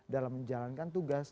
dalam menjalankan tugas